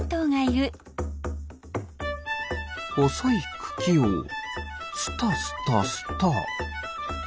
ほそいくきをスタスタスタ。